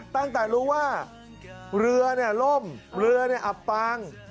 ตั้งแต่รู้ว่าเรือเนี่ยร่มเรือเนี่ยอัพปัง